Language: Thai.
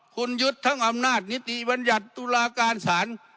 คุณยึดทั้งอำนาจนิติบัญญัติตุลาการศาล